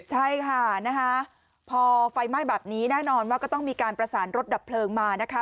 ใช่ค่ะนะคะพอไฟไหม้แบบนี้แน่นอนว่าก็ต้องมีการประสานรถดับเพลิงมานะคะ